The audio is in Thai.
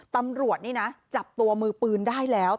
ตำรวจนี่นะจับตัวมือปืนได้แล้ว